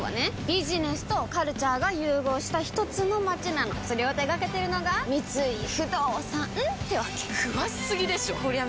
ビジネスとカルチャーが融合したひとつの街なのそれを手掛けてるのが三井不動産ってわけ詳しすぎでしょこりゃ